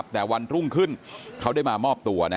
แต่วันรุ่งขึ้นเขาได้มามอบตัว